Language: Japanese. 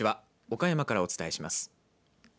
岡山からお伝えします。